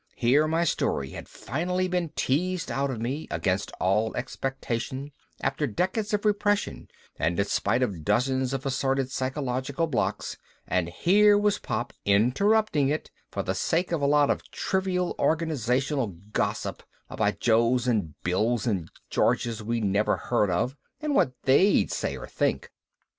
Here my story had finally been teased out of me, against all expectation, after decades of repression and in spite of dozens of assorted psychological blocks and here was Pop interrupting it for the sake of a lot of trivial organizational gossip about Joes and Bills and Georges we'd never heard of and what they'd say or think!